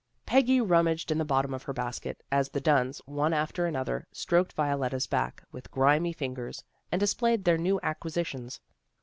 Peggy rummaged in the bottom of her basket, as the Dunns, one after another, stroked Violetta's back, with grimy fingers, and displayed their new acquisitions.